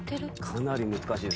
かなり難しいです。